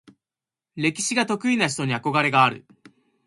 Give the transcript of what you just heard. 歴史が得意な人に憧れがある。